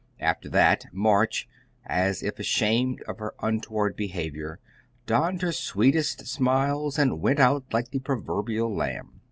After that, March, as if ashamed of her untoward behavior, donned her sweetest smiles and "went out" like the proverbial lamb.